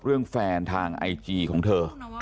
เรื่องแฟนทางไอจีของเธอ